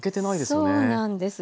そうなんです。